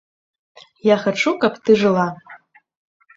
Я хачу, каб ты жыла.